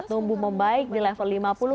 tumbuh membaik di level lima puluh